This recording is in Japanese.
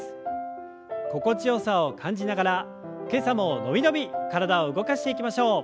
心地よさを感じながら今朝も伸び伸び体を動かしていきましょう。